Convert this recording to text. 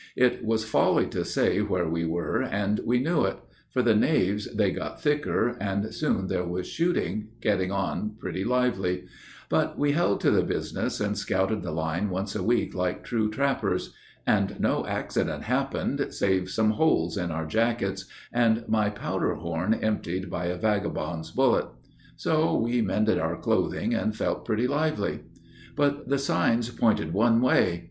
It was folly to stay where we were, and we knew it, For the knaves they got thicker, and soon there was shooting Going on pretty lively. But we held to the business And scouted the line once a week like true trappers. And no accident happened save some holes in our jackets, And my powder horn emptied by a vagabond's bullet. So we mended our clothing and felt pretty lively. But the signs pointed one way.